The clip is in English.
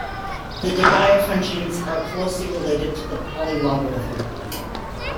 The Debye functions are closely related to the Polylogarithm.